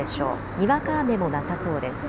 にわか雨もなさそうです。